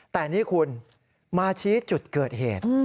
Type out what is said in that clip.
แต่นี่คุณมาชี้จุดเกิดเหตุ